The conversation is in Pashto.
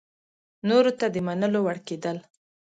نورو ته د منلو وړ کېدل